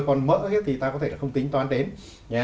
còn mỡ thì ta có thể là không tính toán đến